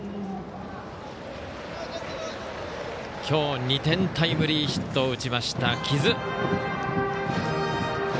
きょう２点タイムリーヒットを打ちました木津。